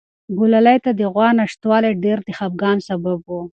ګلالۍ ته د غوا نشتوالی ډېر د خپګان سبب و.